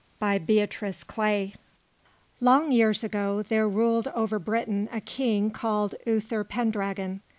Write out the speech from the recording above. CHAPTER VI KING ARTHUR Long years ago, there ruled over Britain a King called Uther Pendragon.